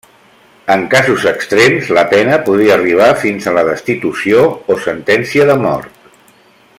En casos extrems, la pena podria arribar fins a la destitució o sentència de mort.